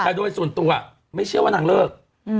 แต่โดยส่วนตัวไม่เชื่อว่านางเลิก